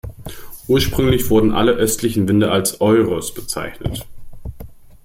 Ursprünglich wurden alle östlichen Winde als "Euros" bezeichnet.